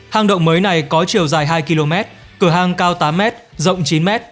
hang động mới này có chiều dài hai km cửa hàng cao tám m rộng chín m